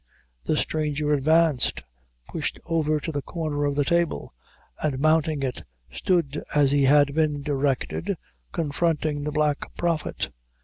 The stranger advanced pushed over to the corner of the table, and, mounting it, stood, as he had been directed, confronting the Black Prophet.